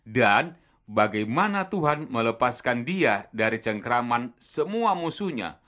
dan bagaimana tuhan melepaskan dia dari cengkraman semua musuhnya